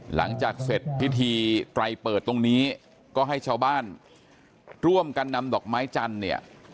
หลังจากเสร็จพิธีไตรเปิดตรงนี้ก็ให้ชาวบ้านร่วมกันนำดอกไม้จันทร์เนี่ย